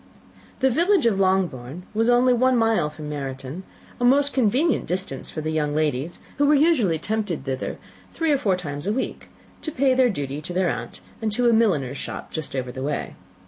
The village of Longbourn was only one mile from Meryton; a most convenient distance for the young ladies, who were usually tempted thither three or four times a week, to pay their duty to their aunt, and to a milliner's shop just over the way.